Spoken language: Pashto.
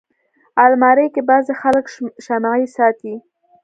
الماري کې بعضي خلک شمعې ساتي